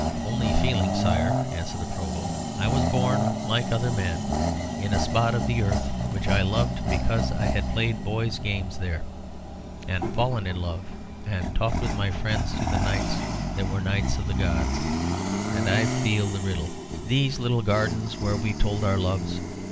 "Only feeling, sire," answered the Provost. "I was born, like other men, in a spot of the earth which I loved because I had played boys' games there, and fallen in love, and talked with my friends through nights that were nights of the gods. And I feel the riddle. These little gardens where we told our loves.